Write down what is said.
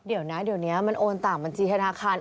เดี๋ยวนะเดี๋ยวนี้มันโอนต่างบัญชีธนาคาร